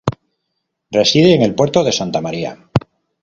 Reside en El Puerto de Santa María.